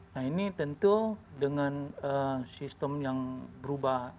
nah ini tentu dengan sistem yang berubah